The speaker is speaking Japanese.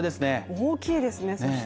大きいですね